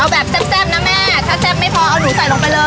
เอาแบบแซ่บนะแม่ถ้าแซ่บไม่พอเอาหนูใส่ลงไปเลย